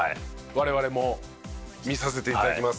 我々も見させて頂きます。